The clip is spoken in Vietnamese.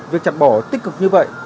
việc chặt bỏ tích cực như vậy